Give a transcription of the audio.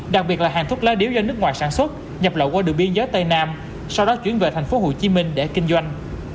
đặc biệt là hàng thuốc lá điếu do nước ngoài sản xuất nhập lậu qua đường biên giới tây nam sau đó chuyển về tp hcm để kinh doanh